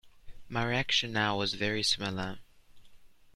My reaction now was very similar.